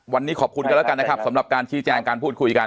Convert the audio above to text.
วันนี้ขอบคุณกันแล้วกันนะครับสำหรับการชี้แจงการพูดคุยกัน